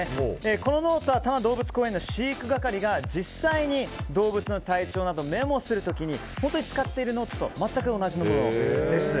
このノートは多摩動物公園の飼育係が実際に動物の体調などをメモする時に本当に使っているノートと全く同じものです。